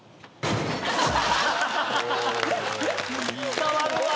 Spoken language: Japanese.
伝わるわ。